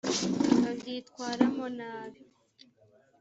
babyitwaramo nabi